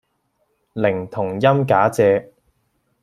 寧同音假借